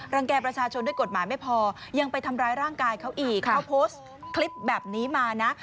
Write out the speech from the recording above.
แก่ประชาชนด้วยกฎหมายไม่พอยังไปทำร้ายร่างกายเขาอีกเขาโพสต์คลิปแบบนี้มานะ